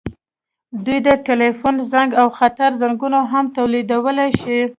دوی د ټیلیفون زنګ او خطر زنګونه هم تولیدولی شي.